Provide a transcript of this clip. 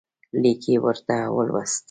لیک یې ورته ولوست.